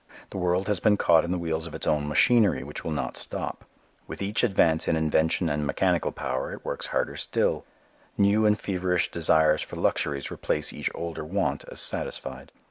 The world has been caught in the wheels of its own machinery which will not stop. With each advance in invention and mechanical power it works harder still. New and feverish desires for luxuries replace each older want as satisfied.